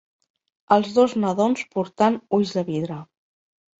els dos nadons portant ulls de vidre